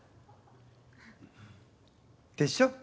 でしょ？